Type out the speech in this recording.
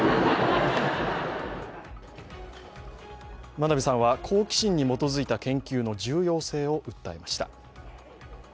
真鍋さんは好奇心に基づいた研究の重要性を訴えました。